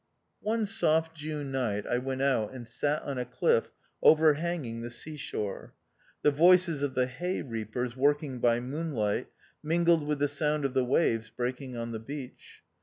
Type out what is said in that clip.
One soft June night I went out and sat on a cliff overhanging the sea shore. The voices of the hay reapers working by moon light, mingled with the sound of the waves breaking on the beach.